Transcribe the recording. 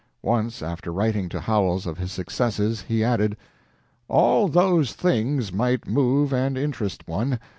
Once, after writing to Howells of his successes, he added: "All those things might move and interest one.